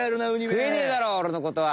くえねえだろおれのことは。